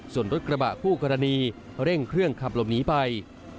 ส่วนรถกระบะคู่กรณีเร่งเครื่องขับหลบหนีไป